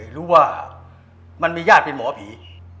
หรือว่ามันมีญาติเป็นหมอผี